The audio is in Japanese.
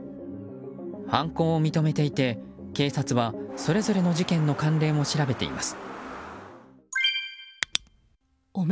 犯行を認めていて警察はそれぞれの事件の関連を調べています。